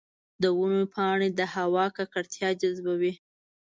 د ونو پاڼې د هوا ککړتیا جذبوي.